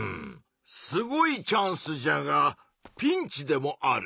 すごいチャンスじゃがピンチでもあるのう。